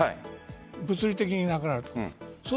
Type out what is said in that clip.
物理的にいなくなると思う。